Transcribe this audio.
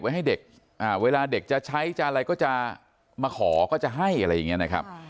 ให้เด็กเวลาเด็กจะใช้จะอะไรก็จะมาขอก็จะให้อะไรอย่างนี้นะครับ